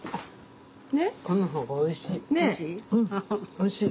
おいしい？